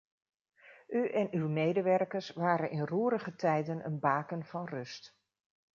U en uw medewerkers waren in roerige tijden een baken van rust.